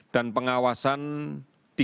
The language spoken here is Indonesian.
dan pengawasan tiga belas orang odp